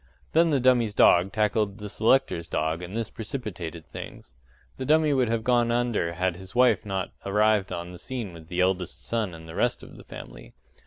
Then the dummy's dog tackled the selector's dog and this precipitated things. The dummy would have gone under had his wife not arrived on the scene with the eldest son and the rest of the family.